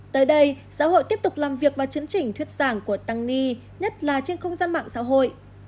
tới đây xã hội tiếp tục làm việc và chấn chỉnh thuyết giảng của tăng ni nhất là trên không gian mạng xã hội